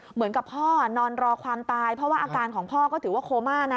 เหมือนกับพ่อนอนรอความตายเพราะว่าอาการของพ่อก็ถือว่าโคม่านะ